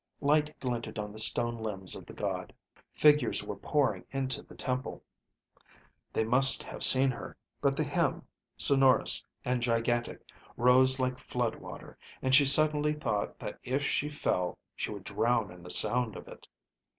Light glinted on the stone limbs of the god. Figures were pouring into the temple. They must have seen her, but the hymn, sonorous and gigantic, rose like flood water, and she suddenly thought that if she fell, she would drown in the sound of it.